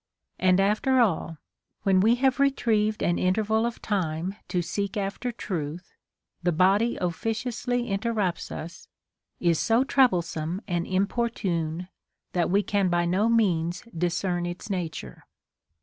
And after all, when λυο have retrieved an interval of time to seek after truth, the body officiously interrupts us, is so troublesome and importune, that we can by no means dis cern its nature.